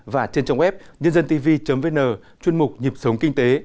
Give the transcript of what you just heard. và trên trang web nhândântv vn chuyên mục nhịp sống kinh tế